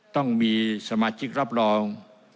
ต้องมีสมาชิกรับรอง